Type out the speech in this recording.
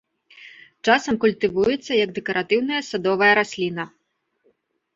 Часам культывуецца як дэкаратыўная садовая расліна.